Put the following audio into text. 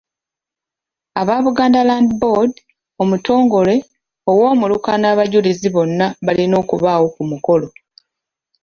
Aba Buganda Land Board, omutongole, ow’omuluka n’abajulizi bonna balina okubaawo ku mukolo.